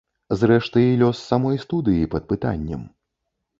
Зрэшты, і лёс самой студыі пад пытаннем.